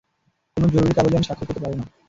কোনো জরুরী কাগজে আমি স্বাক্ষর করতে পারব না।